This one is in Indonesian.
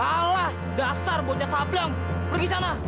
alah dasar bocah sabliong pergi sana